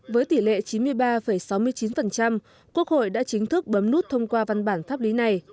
với tỷ lệ chín mươi ba sáu mươi chín quốc hội đã chính thức bấm nút thông qua văn bản pháp lý này